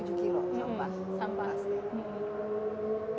itu kalau mungkin secara visual